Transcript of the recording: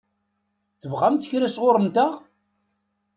Tebɣamt kra sɣur-nteɣ?